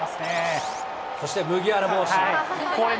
そして麦わら帽子。